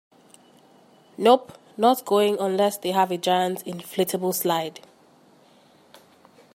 Nope, not going unless they have a giant inflatable slide.